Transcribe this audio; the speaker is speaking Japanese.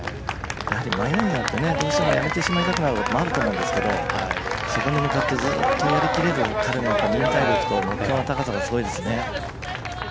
迷いがあってどうしてもやめてしまうこともあると思うんですがそこに向かってずっとやり切れる彼の忍耐力と目標の高さがすごいですね。